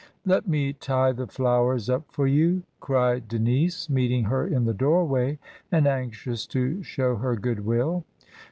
"Let me tie the flowers up for you," cried Denise, meeting her in the doorway, and anxious to show her good will.